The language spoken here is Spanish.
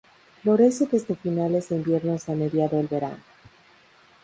Florece desde finales de invierno hasta mediado el verano.